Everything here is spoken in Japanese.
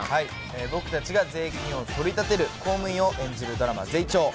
僕たちが税金を取りたてる公務員を演じるドラマ、ゼイチョー。